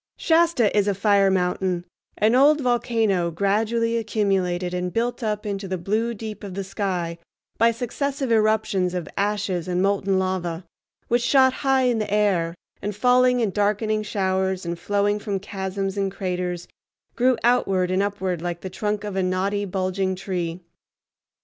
Shasta is a fire mountain, an old volcano gradually accumulated and built up into the blue deep of the sky by successive eruptions of ashes and molten lava which, shot high in the air and falling in darkening showers, and flowing from chasms and craters, grew outward and upward like the trunk of a knotty, bulging tree.